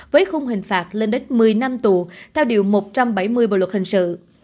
với khung hình phạt lên đến một mươi năm tù theo điều một trăm bảy mươi bộ luật hình sự